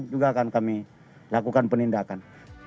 juga akan kami lakukan penindakan